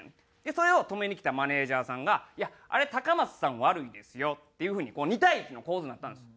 それを止めにきたマネジャーさんが「いやあれは高松さんが悪いですよ」っていう風に２対１の構図になったんです。